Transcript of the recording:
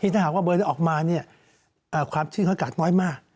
ถ้าหากว่าเบิร์นออกมาความชื่นโอกาสน้อยมาก